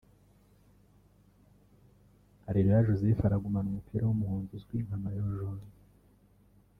Areruya Joseph aragumana umupira w’umuhondo uzwi nka ’Maillot Jaune